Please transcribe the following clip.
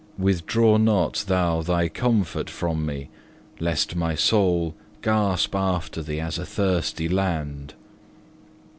Withdraw not Thou Thy comfort from me, lest my soul "gasp after thee as a thirsty land."